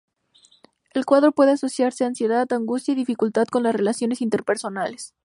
El cuadro puede asociarse a ansiedad, angustia y dificultad con las relaciones interpersonales.